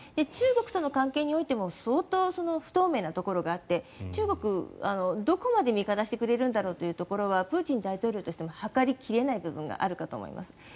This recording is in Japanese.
中国との関係においても相当、不透明なところがあって中国はどこまで味方してくれるんだろうというところはプーチン大統領としても測り切れない部分があるかと思います。